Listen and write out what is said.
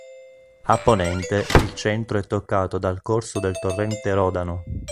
A ponente il centro è toccato dal corso del torrente Rodano.